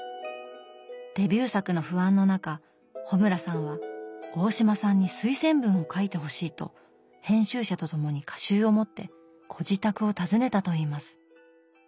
デビュー作の不安の中穂村さんは大島さんに推薦文を書いてほしいと編集者と共に歌集を持ってご自宅を訪ねたといいます。